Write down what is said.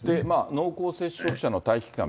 濃厚接触者の待機期間